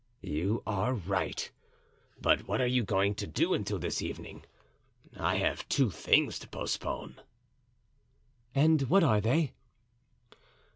"You are right; but what are you going to do until this evening? I have two things to postpone." "And what are they?"